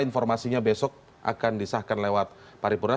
informasinya besok akan disahkan lewat pari pura